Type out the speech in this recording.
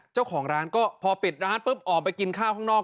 เจ้าของร้านก็พอปิดร้านปุ๊บออกไปกินข้าวข้างนอก